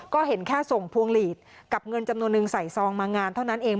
ก็เห็นแค่ส่งพวงหลีดกับเงินจำนวนนึงใส่ซองมางานเท่านั้นเอง